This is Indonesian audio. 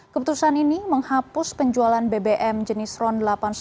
keputusan ini menghapus penjualan bbm jenis ron delapan ratus sembilan puluh